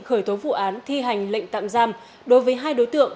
khởi tố vụ án thi hành lệnh tạm giam đối với hai đối tượng